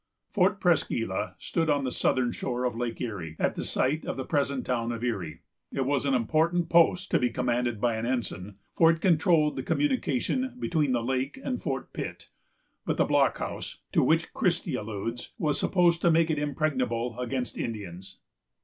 Fort Presqu' Isle stood on the southern shore of Lake Erie, at the site of the present town of Erie. It was an important post to be commanded by an Ensign, for it controlled the communication between the lake and Fort Pitt; but the blockhouse, to which Christie alludes, was supposed to make it impregnable against Indians.